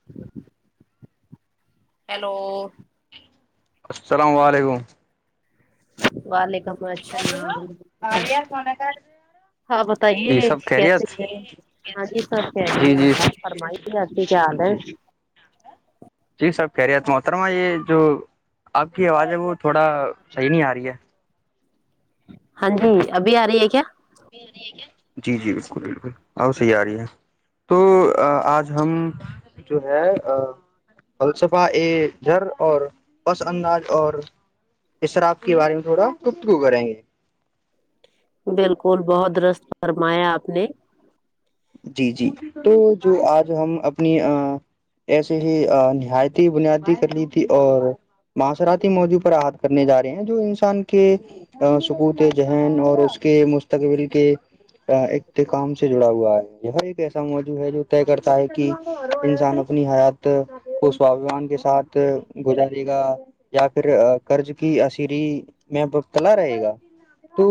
[unintelligible] hello السلام علیکم وعلیکم السام بچ گ اور یہ منا کاڈ ہاں بتائیے کیسے ہے ہاں جی سر جی کہے جی فرمائی اھی کیا رہ ہے جی ہیں جی سرب خیریت محترمہ یہ جو آپ کی آواز ہے وہ تھوڑا صحیح نہیں آ رہی ہے ہاں جی ابھی آ رہی ہے کیا جی جی بالکل بالکل آ صحیح آ رہی ہے تو آج ہم جو ہے فلسفہ ا جھر اور پس اندج اور اس شر آپ کے بارے میں تھوڑا گپتگو کریں گے بالکل بہت ررست فرمایا آپ نے جی جی تو جو آج ہم اپنی ایسے ہی نہایتی ہی بنیادی کر لی تھی اور معاصراتی موضوع پر احط کرنے جا رہے ہیں جو انسان کے سکوت ذہن اور اس کے مستقبل کے اختقام سے جڑا ہوا ہے یہ ایک ایسا موضوع ہے جو طے کرتا ہے کہ انسان اپنی حیات وہ سوابھیمان کے ساتھ گزارے گا یا پھر قرض کی اصری میںتلا رہے گا تو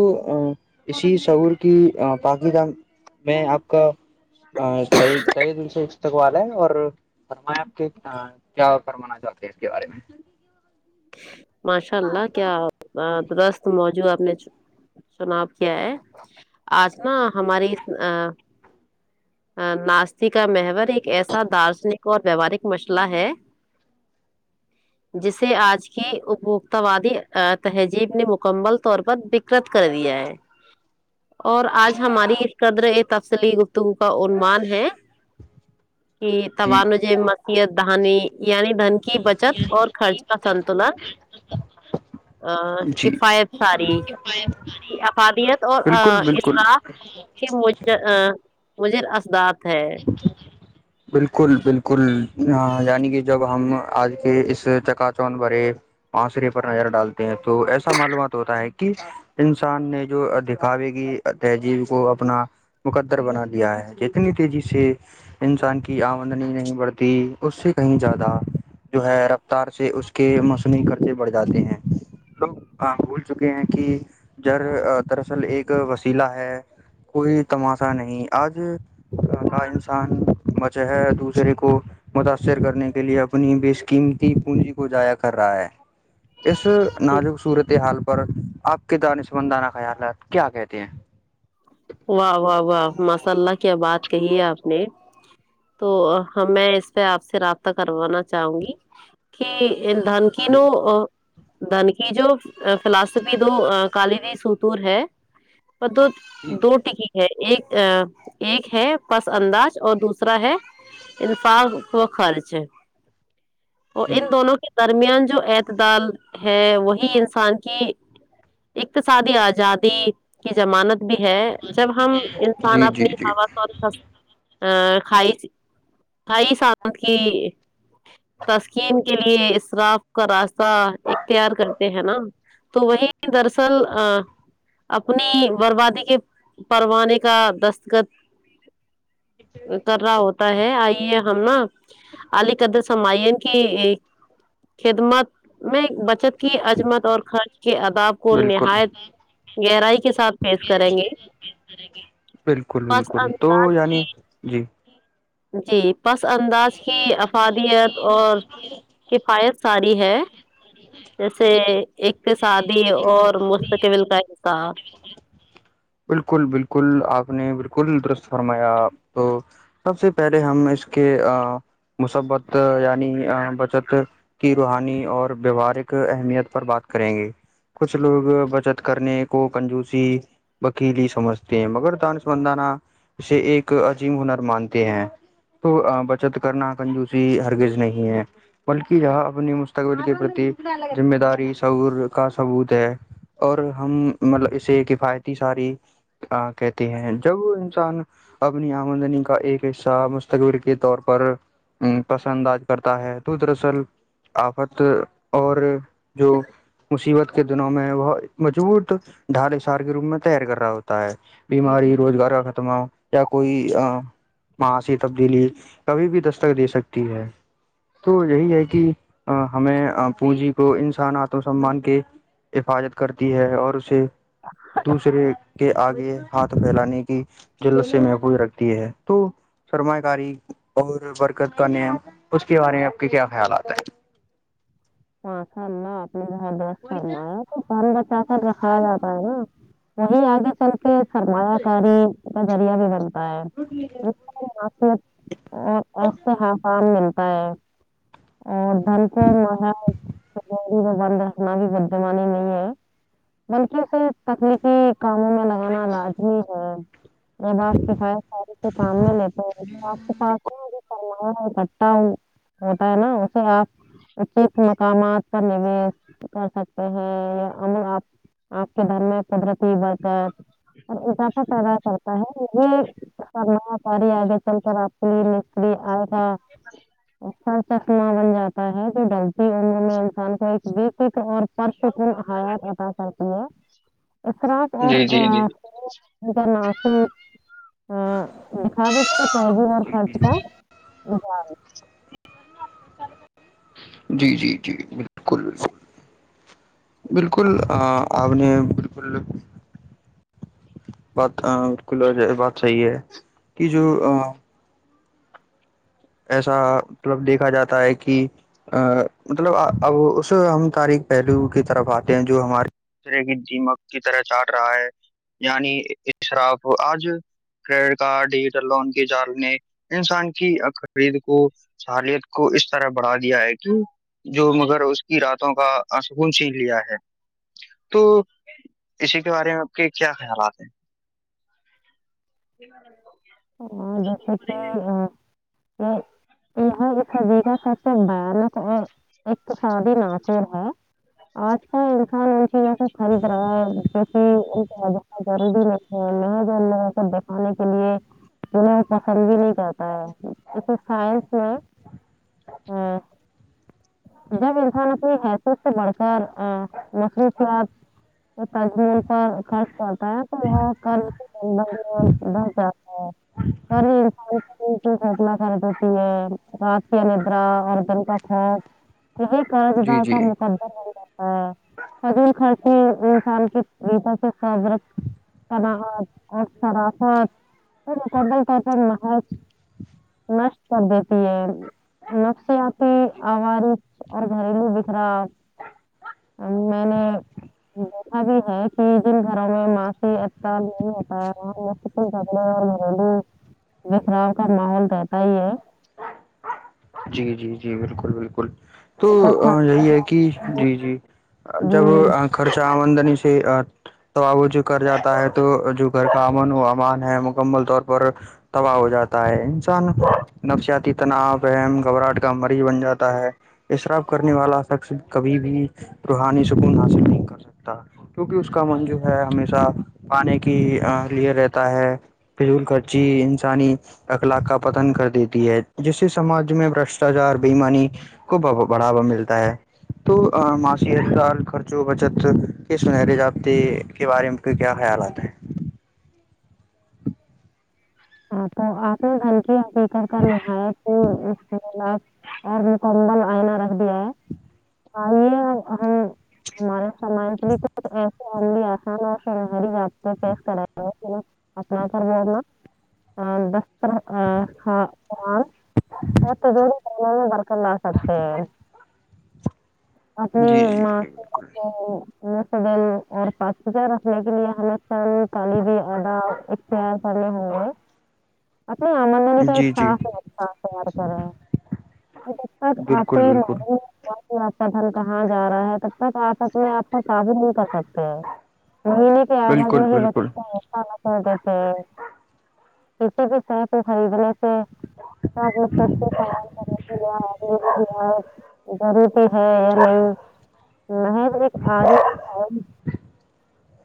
اسی شعور کی پاک جان میں آپ کا کئی دن سے اسستک والا ہے اور فرمایا آپ کے کیا فرمانا چاہتے ہیں اس کے بارے میں ماشاء اللہ کیا درست موجو آپ نے چناب کیا ہے آج نا ہماری ناستی کا محور ایک ایسا دارشنک اور ویوارک مسئلہ ہے جیسے آج کی اپبوکتتا وادی تہذیب نے مکمل طور پر بکرت کر دیا ہے اور آج ہماری اس قدر تفسلی گفتگو کا عنوان ہے کہ جی توانج مسیت دنی یعنی دھن کی بچت اور خرچ کا سن تول ا جی کفایت ساری افادیت اور بالکل بالکل ارح کہ مج مجھے اسدات ہے بالکل بالکل یعنی کہ جب ہم آج اس چکا چون بے آسرے پر نظر ڈالتے ہیں تو ایسا معلومات ہوتا ہے کہ انسان نے جو دکھاوے کیی تہذیب کو اپنا مقدر بنا لیا ہے جتنی تیزی سے انسان کی آمدنی نہیں بڑھتی اس سے کہیں زیادہ جو ہے رفتار سے اس کے مصنوعی قرضے بڑھ جاتے ہیں لو بول چکے ہیں کہ جر دراصل ایک وسیلا ہے کوئی تماشہ نہیں آج کا انسان بچ ہے دوسرے کو متاثر کرنے کے لیے اپنی بےکیمتی پونجی کو ضائع کر رہا ہے اس ناازک صورت حال پر آپ کے د نسمندانہ خیالات کیا کہتے ہیں واہ واہ واہ ماشاء اللہ کیا بات کہی ہے آپ نے تو میں اس پہ آپ سے رابطہ کروانا چاہوں گی کہ دھانکی ن دن کیی جو فلاسفی دو کالی بھی سوتور ہے پت دو ٹکی ہے ایک ایک ہے پس انداز اور دوسرا ہے انفاق و خرچ وہ ان دونوں کے درمیان جو اعتدال ہے وہی انسان کی اقتصادی آزادی کی ضمانت بھی ہے جب ہم ہیں انسان جی جی اپنی جی ہا س ا کھائی کھائی ست کی بس کی کے لیے اراف کا راستہ اختیار کرتے ہیں نا تو وہی درصل اپنی بربادی کے پروے کا دستخط کر رہا ہوتا ہوتا ہے آئیے ہم نا علی قدر سمعین کی خدمت میں بچت کی عجمت اور خرچ کے اداب کو بالکل نہایت گہرائی کے ساتھ فیش بالکل پس بالکل تو انداز ینی کی جی جی پس انداز کی افادیت اور کفایت ساری ہے جیسے ایک شادی اور مستقبل کا انحصار بالکل بالکل آپ نے بالکل درست فرمایا تو سب سے پہلے ہم اس کے مسبت یعنی بچت کی روحانی اور ویوہارک اہمیت پر بات کریں گے کچھ لوگ بچت کرنے کو کنجوسی وکیلی سمجھتے ہیں مگر دانس مندانا اسے ایک عجیم ہنر مانتے ہیں تو بچت کرنا کنجوسی ہرگز نہیں ہے بلکہ یہاں اپنی مستقبل کے پرتی ذمہ داری سعور کا ثبوت ہے اور ہم مطلب اسے کفایتی ساری ا کہتی ہیں جب انسان اپنی آمدنی کا ایک حصہ مستقبل کے طور پر پسند آج کرتا ہے تو دراصل آفت اور جو مصیبت کے دنوں میں بت مجبوط ڈھال اشار کے روپ میں تیر کر رہا ہوتا ہے بیماری روزگار کا ختمہ ہو یا کوئی معاسیی تبدیلی کبھی بھی دستک دے سکتی ہے تو یہی ہے کہ ہمیں پونجی کو انسان آتم سمان کے حفاظت کرتی ہے اور اسے ہچ دوسرے کے آگے ہاتھ پھیلانے کی جلت سے محفوظ رکھتی ہے تو سرمایہ کاری اور برکت کا نیم اس کے بارے میں آپ کے کیا خیال آات ہیں ہاں کرلہ آپ نے باں بس کرناایا پان بچا کر رکھا جاتا ہے نا وہیں آگے چل کے سرمایہ کاری اس کا ذریہ بھی بنتا ہے ات آسان ملتا ہے اور دن کو ماراجی بند رکھنا بھی بدمانی نہیں ہے بلکہ اسے تکنیکی کاموں میں لگانا لازمی ہے میں ب آپ کے کایا سارے تو کام میں لیتا ہ تو آپ کے پاس کا ہوتا ہے نا اسے آپ اس مقامات پر نویش کر سکتے ہیں ام آپ آپ کے دھر میں قدرتی بڑھتا ہے اور اکافہ پیدا کرتا ہے یہ کرنا ہے ساری آگے چل کر آپ مکلی آئے تھا اھا سمہ بن جاتا ہے جو ڈلتا وتک اور پش کل آیات بتا کرتی ہے اخرق اور جی جی جی ان کا ناسن دکھا دے کے اور خرچ کا ہ ہاں جی جی جی بالکل بالکل بالکل آ نے بالکل بات بال کل بات صحیح ہے کہ جو ایسا مطلب دیکھا جاتا ہے کہ ا مطلب اب اس ہم تاریخ پہلو کی طرف آتے ہیں جو ہماریے اس طرح کی دیمک کی طرح چاٹ رہا ہے یعنی شراف آج کریڈٹ کارڈ ڈیجیٹل لون کی جالنے انسان کی خرید کو سالت کو اس طرح بڑھا دیا ہے کہ جو مگر اس کی راتوں کا سسکون سن لیا ہے تو اسی کے بارے میں آپ کے کیا خیالات ہیں [inaudible] جیسے کہ ای س جیگہ سات بانق ہے ایک تو سدی نہ کر ہے آج کل انسان ان چیزوں سے خرید رہا ہے جو کہ ان بت جلدی نہیں ل جانلہ سب دیککھانے کے لیے انہیں پسند بھی نہیں کرتا ہے اسے سائنس میں ہاں جب انسان اپنی ہے تو اس سے بڑھ کر مصرصیات تاج مل پر خرچ پڑتا ہے تو وہاں ک ب بھتا ہے کر انسانی کی گنا کر دیتی ہے رات کی ندرا اورر دن کا خوف یہ کج با جی کا جی مک سگ خرچ انسان کے پ سے خبرت سنااعت اور سرافت مقدل طور پر محض نشٹ کر دیتی ہے نفسیات کی آوارچ اور گھریلو بکھراؤ میں نے دیکھا بھی ہے کہ جن گھروں میں ماسی نہیں ہوتا جنا بکھراؤ کا ماحول رہتا ہی ہے جی جی جی بالکل بالکل تو جب یہی ہے کہ جی جی ہر- جی جب خرچہ آمدنی سے تو وہ جو کر جاتا ہے تو جو گھر کا امن و امان ہے مکمل طور پر تباہ ہو جاتا ہے انسان نفسیاتی تناؤ م گھبراہٹ کا مریض بن جاتا ہے اشراف کرنے والا شخص کبھی بھی روحانی سکون حاصل نہیں کر سکتا کیونکہ اس کا من جو ہے ہمیشہ پانی کی لیے رہتا ہے فضول کرچی انسانی اخلاق کا پتن کر دیتی ہے جس سماج میں بشٹاچار بےمانی کو بڑھاوا ملتا ہے تو معاشیال خرچ و بچت کس منر ضابطے کے بارے میں کے کیا خیالات ہیں ہاں تو آپ نے دھنکی اقھی کر کر لایت کہ اس کےلاف اور مکدل آئنا رکھ دیا ہے توے ہم ہمارے سماج میں تو ی آسان اور شرری جات میں پیس کر اپنا گر بولنا ہ دفتر آ ہ ہ آت دو برک ل آ سکتے ہے اپنی جی ماں سے تو اور پچا رکھنے کے لیے تلیب ادا تار پالا ہاں اپنی امندانی کا ایک جی صافاف پیار کر ہے در بالکل جی جی بالکل آپے م بالکل آپ کا دن کہاں جا رہا ہے تب تک آپ اپنے آپ کو قابت نہیں کر سکتے ہیں یہ ایک بالکل بنا ہے بت بالکل تو دی تھ کسے بھیس تو خرید ل سھر ہے نہیں نہض ایک آ رہے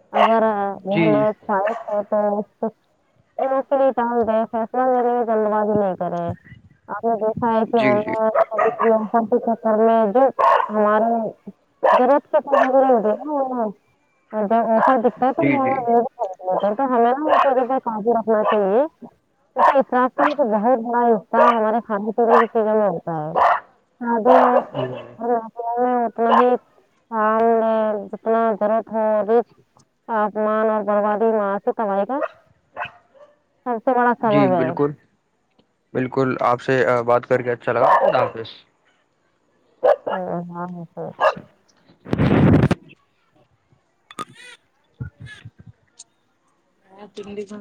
اگر جی ہو تو م اس کےےٹال د فیصلہ میرے لی گندبازی نہیں کرے ہم نے دیکھا ہے کہ جی ہم جی نے کبھی میں جو ہمارے ا رات کٹاگرا ایسا دکھتا ہے تو جی جی تو ہمیں نا اس جگہ کاابی رکھنا چاہیے دھے اتراف کا تو بہت بڑا حصح ہمارے کھانے پینے کی چیزوں میں ہوتا ہے اد ن جاں میں اتنا ہی جتنا ضرورت ہو آپمان اور بنوای ماں سے کم آئے گا ہاں س جی بالکل بالکل آپ سے بات کر کے اچھا لگالہ حافظ ہاں ہاں ہاں چھر آ تنڈی کو